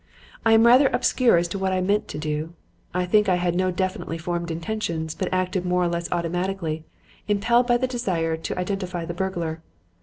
"I am rather obscure as to what I meant to do. I think I had no definitely formed intentions but acted more or less automatically, impelled by the desire to identify the burglar.